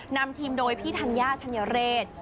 นำทีมโดยพี่ธัญญาธัญเรศ